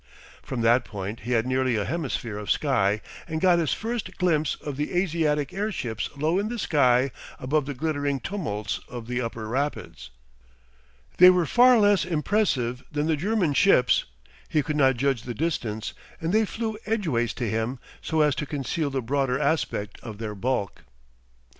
From that point he had nearly a hemisphere of sky and got his first glimpse of the Asiatic airships low in the sky above the glittering tumults of the Upper Rapids. They were far less impressive than the German ships. He could not judge the distance, and they flew edgeways to him, so as to conceal the broader aspect of their bulk.